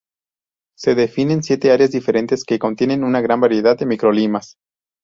Se definen siete áreas diferentes que contienen una gran variedad de microclimas.